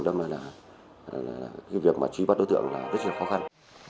truy bắt đối tượng rất là khó khăn